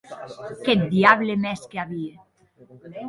Qu’eth diable me hesque a vier!